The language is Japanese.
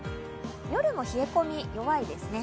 夜も冷え込み、弱いですね。